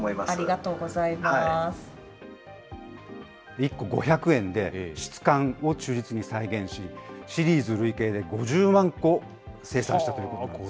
１個５００円で、質感を忠実に再現し、シリーズ累計で５０万個を生産したということなんです。